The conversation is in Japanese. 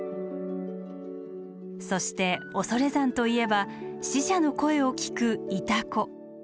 そして恐山といえば死者の声を聞くイタコ。